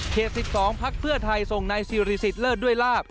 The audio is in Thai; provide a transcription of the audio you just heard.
เขต๑๒พักเพื่อไทยทรงนายศิริษฐ์เลิศด้วยลาบ